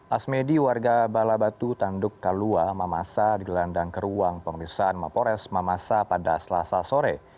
asmedi warga balabatu tanduk kalua mamasa di landang keruang pengurusan mapores mamasa pada selasa sore